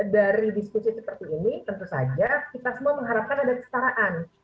dari diskusi seperti ini tentu saja kita semua mengharapkan ada kesetaraan